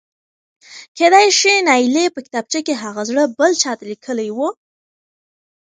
کېدای شي نايلې په کتابچه کې هغه زړه بل چاته لیکلی و.؟؟